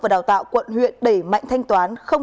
và đào tạo quận huyện đẩy mạnh thanh toán